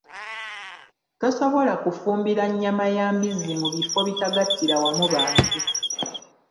Tosobola kufumbira nnyama ya mbizzi mu bifo bigattira wamu bantu.